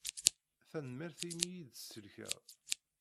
Tanemmirt imi i iyi-d-tsellkeḍ.